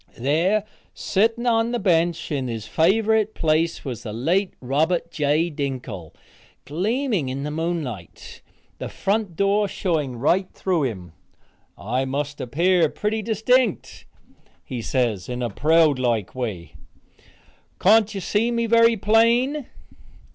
There, sitting on the bench, in his favorite place, was the late Robert J. Dinkle, gleaming in the moonlight, the front door showing right through him. "I must appear pretty distinct," he says in a proud like way. "Can't you see me very plain?"